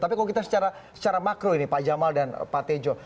tapi kalau kita secara makro ini pak jamal dan pak tejo